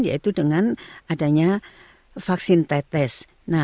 yaitu dengan adanya vaksin tetes